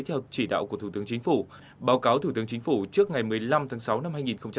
theo chỉ đạo của thủ tướng chính phủ báo cáo thủ tướng chính phủ trước ngày một mươi năm tháng sáu năm hai nghìn hai mươi